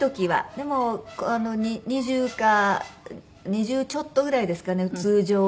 でも２０か２０ちょっとぐらいですかね通常は。